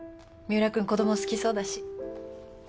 三浦君子供好きそうだし。